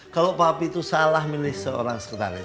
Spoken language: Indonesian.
kalau papi itu salah milih seorang sekretaris